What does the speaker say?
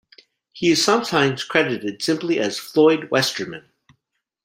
He is sometimes credited simply as Floyd Westerman.